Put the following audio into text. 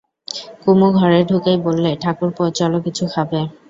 কুমু ঘরে ঢুকেই বললে, ঠাকুরপো, চলো কিছু খাবে।